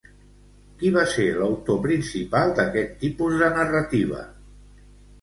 Qui va ser l'autor principal d'aquest tipus de narrativa?